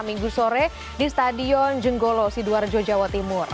minggu sore di stadion jenggolo sidoarjo jawa timur